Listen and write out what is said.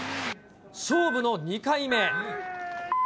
勝負の２回目。